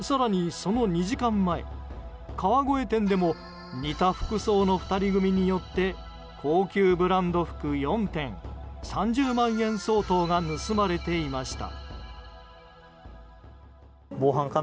その２時間前川越店でも似た服装の２人組によって高級ブランド服４点３０万円相当が盗まれていました。